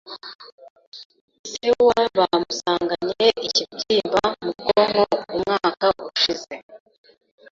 Se wa bamusanganye ikibyimba mu bwonko umwaka ushize.